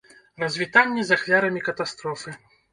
Развітанне з ахвярамі катастрофы.